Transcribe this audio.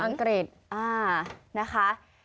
อ่านะคะ